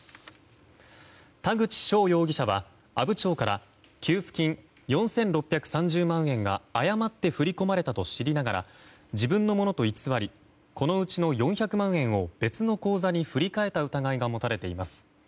田口翔容疑者は阿武町から給付金４６３０万円が誤って振り込まれたと知りながら自分のものと偽りこのうちの４００万円を別の口座に振り替えた疑いが持たれています。